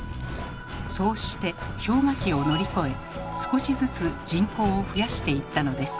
そうして氷河期を乗り越え少しずつ人口を増やしていったのです。